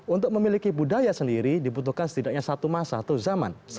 untuk memiliki budaya sendiri dibutuhkan setidaknya satu masa atau zaman